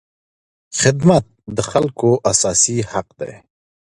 خدمت د خلکو اساسي حق دی.